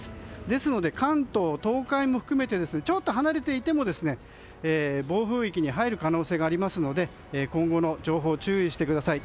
ですから、関東・東海も含めてちょっと離れていても暴風域に入る可能性があるので今後の情報に注意してください。